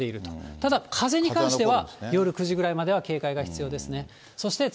ただ、風に関しては夜９時ぐらいまでは警戒が必要ですね。